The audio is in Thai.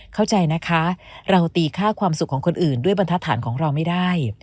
เข้าใจนะคะเราตีค่าความสุขของคนอื่นด้วยบรรทัศนของเราไม่ได้